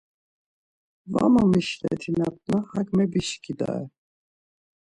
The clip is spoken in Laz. Var momişletinatna hak mebişkidare.